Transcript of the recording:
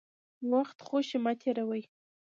وخت خوشي مه تېروئ.